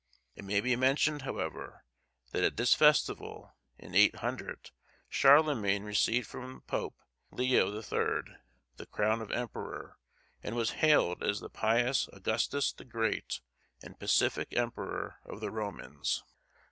It may be mentioned, however, that at this festival, in 800, Charlemagne received from the pope, Leo the Third, the crown of Emperor, and was hailed as the pious Augustus the Great, and pacific Emperor of the Romans.